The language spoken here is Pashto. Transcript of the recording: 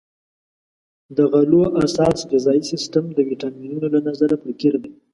د غلو اساس غذایي سیستم د ویټامینونو له نظره فقیر دی.